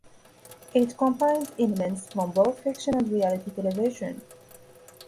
It combined elements from both fiction and reality television.